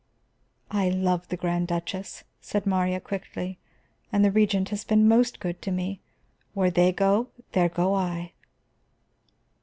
"I love the Grand Duchess," said Marya quickly. "And the Regent has been most good to me. Where they go, there go I."